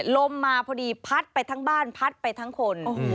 ลมมาพอดีพัดไปทั้งบ้านพัดไปทั้งคน